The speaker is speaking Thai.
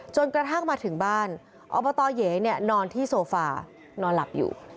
กระทั่งมาถึงบ้านอบตเหยนอนที่โซฟานอนหลับอยู่